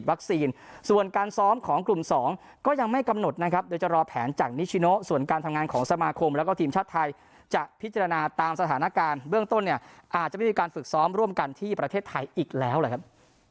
ส่วนการซ้อมของกลุ่ม๒ก็ยังไม่กำหนดนะครับโดยจะรอแผนจากนิชิโนส่วนการทำงานของสมาคมแล้วก็ทีมชาติไทยจะพิจารณาตามสถานการณ์เบื้องต้นเนี่ยอาจจะไม่มีการฝึกซ้อมร่วมกันที่ประเทศไทยอีกแล้วแหละครับ